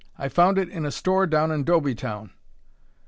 "I found it in a store down in Dobytown."